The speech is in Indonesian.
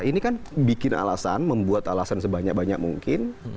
ini kan bikin alasan membuat alasan sebanyak banyak mungkin